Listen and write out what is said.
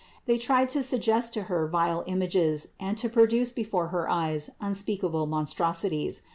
They tried to suggest to Her vile images and to produce before her eyes unspeakable monstrosities.